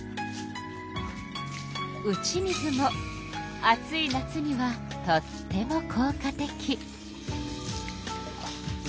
打ち水も暑い夏にはとってもこう果的。